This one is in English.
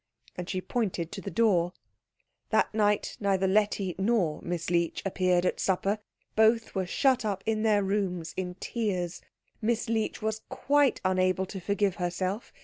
And she pointed to the door. That night neither Letty nor Miss Leech appeared at supper; both were shut up in their rooms in tears. Miss Leech was quite unable to forgive herself.